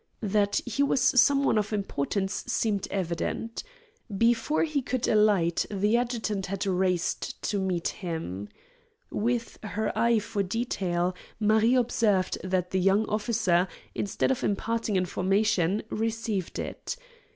That he was some one of importance seemed evident. Before he could alight the adjutant had raced to meet him. With her eye for detail Marie observed that the young officer, instead of imparting information, received it.